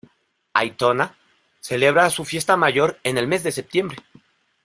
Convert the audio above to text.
Aitona celebra su fiesta mayor en el mes de septiembre.